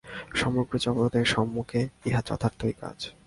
সমগ্র জগতের সম্মুখে ইহাই যথার্থ কাজ।